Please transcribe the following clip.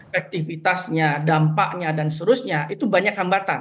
efektivitasnya dampaknya dan seterusnya itu banyak hambatan